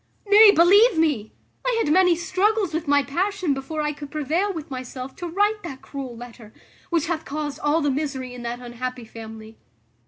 Nay, believe me, I had many struggles with my passion before I could prevail with myself to write that cruel letter, which hath caused all the misery in that unhappy family.